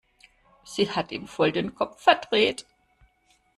Sie hat ihm voll den Kopf verdreht.